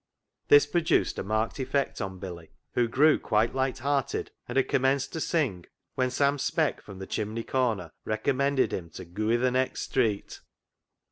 This produced a marked effect on Billy, who grew quite light hearted and had com menced to sing, when Sam Speck from the chimney corner recommended him to " goo i' th' next street."